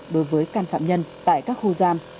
đối với can phạm nhân tại các khu giam